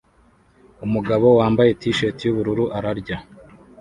Umugabo wambaye t-shirt yubururu ararya